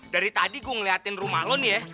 dari tadi gue ngeliatin rumah lo nih ya